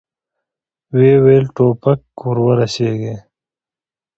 ويې ويل: ټوپک ور رسېږي!